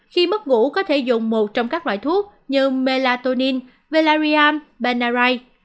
khi mất ngủ có thể dùng một trong các loại thuốc như melatonin velaryam benarite